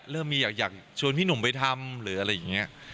เริ่มมีอยากชวนพี่หนุ่มไปทำหรืออะไรอย่างนี้